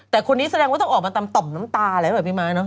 แต่คนนี้แสดงว่าต้องออกมาต่ำน้ำตาอะไรแบบนี้ไหมพี่ม้าย